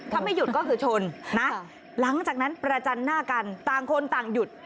ถ้าไม่หยุดก็คือชนนะหลังจากนั้นประจันหน้ากันต่างคนต่างหยุด